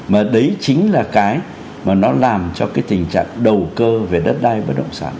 mà đấy chính là cái mà nó làm cho cái tình trạng đầu cơ về đất đai bất động sản